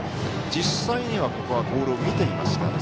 実際にはボールを見ています。